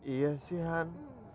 iya sih han